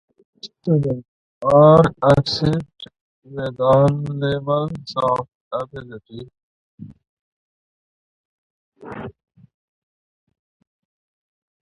Students are accepted with all levels of ability.